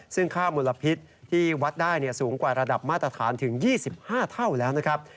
ซึ่งค่ามลพิษที่วัดได้สูงกว่าระดับมาตรฐานถึง๒๕เท่าแล้วนะครับ